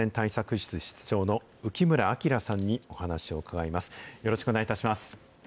室室長の浮村聡さんにお話を伺います。